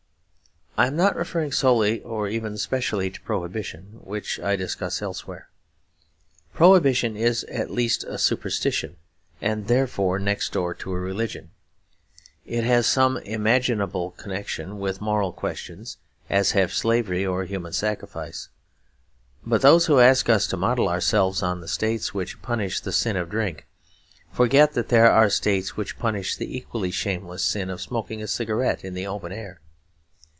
I am not referring solely or even specially to Prohibition, which I discuss elsewhere. Prohibition is at least a superstition, and therefore next door to a religion; it has some imaginable connection with moral questions, as have slavery or human sacrifice. But those who ask us to model ourselves on the States which punish the sin of drink forget that there are States which punish the equally shameless sin of smoking a cigarette in the open air.